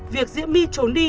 việc diễm my trốn đi